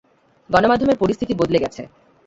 গণমাধ্যমের পরিস্থিতি বদলে গেছে।